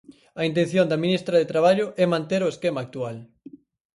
A intención da ministra de Traballo é manter o esquema actual.